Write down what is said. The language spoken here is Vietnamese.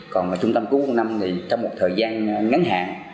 còn trung tâm cấp cứu một trăm một mươi năm thì trong một thời gian ngắn hạn